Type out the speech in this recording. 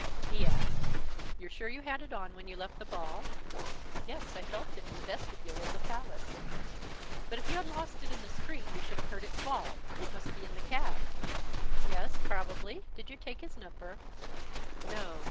He asked: "You're sure you had it on when you left the ball?" "Yes, I felt it in the vestibule of the palace." "But if you had lost it in the street we should have heard it fall. It must be in the cab." "Yes. Probably. Did you take his number?" "No.